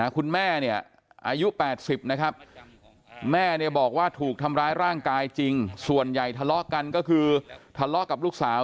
คุณแม่เนี่ยอายุ๘๐นะครับแม่เนี่ยบอกว่าถูกทำร้ายร่างกายจริงส่วนใหญ่ทะเลาะกันก็คือทะเลาะกับลูกสาว